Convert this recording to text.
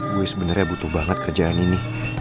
gue sebenarnya butuh banget kerjaan ini